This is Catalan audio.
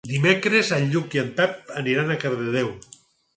Dimecres en Lluc i en Pep aniran a Cardedeu.